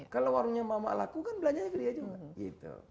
kalau warungnya mak mak lakukan belanja aja ke dia